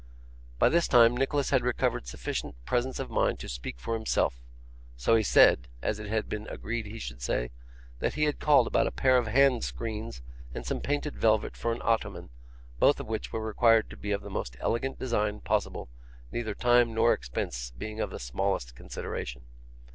By this time Nicholas had recovered sufficient presence of mind to speak for himself, so he said (as it had been agreed he should say) that he had called about a pair of hand screens, and some painted velvet for an ottoman, both of which were required to be of the most elegant design possible, neither time nor expense being of the smallest consideration.